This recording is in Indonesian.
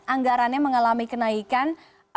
anggarannya mengalami kenaikan